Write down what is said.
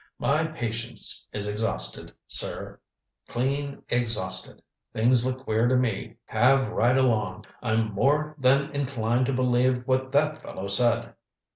My patience is exhausted, sir clean exhausted. Things look queer to me have right along. I'm more than inclined to believe what that fellow said."